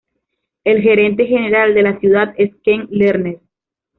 El Gerente General de la ciudad es Ken Lerner.